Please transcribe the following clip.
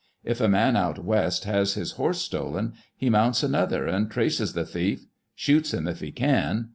If a man out West has his horse stolen, he mounts another and traces the thief; shoots him if he can.